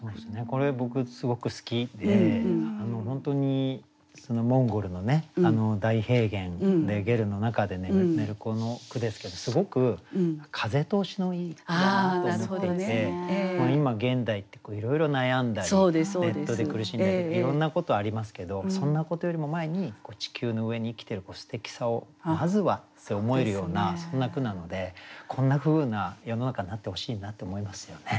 これ僕すごく好きで本当にモンゴルの大平原でゲルの中で寝る子の句ですけどすごく風通しのいい句だなと思っていて今現代っていろいろ悩んだりネットで苦しんだりいろんなことありますけどそんなことよりも前に地球の上に生きてるすてきさをまずはって思えるようなそんな句なのでこんなふうな世の中になってほしいなって思いますよね。